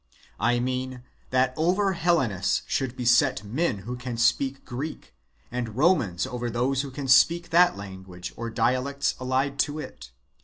I _ mean, that over Hellenes should be set men who can _ speak Greek, and Romans over those who speak that language or dialects allied to it.